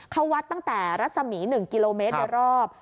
เขาวัดตั้งแต่รัศมี๑กิโลเมตรโดยรอบ